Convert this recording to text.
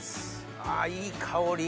あいい香り！